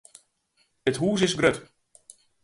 It hûs is grut.